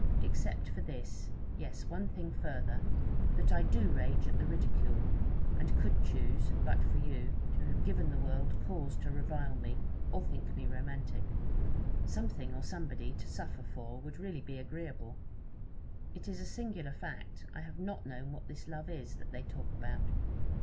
Except for this yes, one thing further that I do rage at the ridicule, and could choose, but for you, to have given the world cause to revile me, or think me romantic. Something or somebody to suffer for would really be agreeable. It is a singular fact, I have not known what this love is, that they talk about.